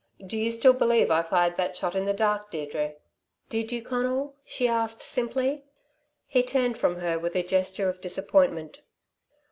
"Do you still believe I fired that shot in the dark, Deirdre?" "Did you, Conal?" she asked simply. He turned from her with a gesture of disappointment.